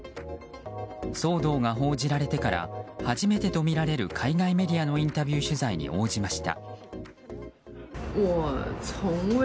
騒動が報じられてから初めてとみられる海外メディアのインタビュー取材に応じました。